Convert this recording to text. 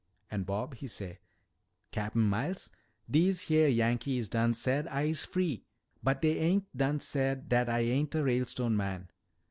An' Bob, he say, 'Cap'n Miles, dese heah Yankees done said I'se free but dey ain't done said dat I ain't a Ralestone man.